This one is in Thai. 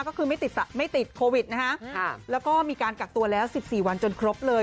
ก็คือไม่ติดไม่ติดโควิดนะฮะแล้วก็มีการกักตัวแล้ว๑๔วันจนครบเลย